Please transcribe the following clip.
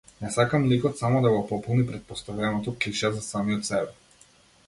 Не сакам ликот само да го пополни претпоставеното клише за самиот себе.